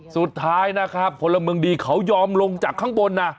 สุดท้ายนะครับพลเมืองดีเขายอมลงจากข้างบนนะ